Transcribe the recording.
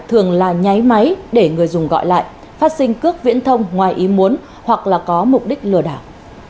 thường là nháy máy để người dùng gọi lại phát sinh cước viễn thông ngoài ý muốn hoặc là có mục đích lừa đảo